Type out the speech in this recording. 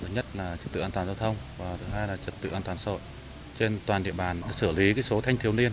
thứ nhất là trật tự an toàn giao thông và thứ hai là trật tự an toàn xã hội trên toàn địa bàn xử lý số thanh thiếu niên